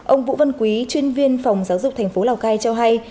ông vũ văn quý chuyên viên phòng giáo dục thành phố lào cai cho hay